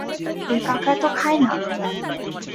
এ কাঁকড়া তো খায় না।